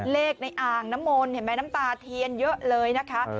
ในอ่างน้ำมนต์เห็นไหมน้ำตาเทียนเยอะเลยนะคะ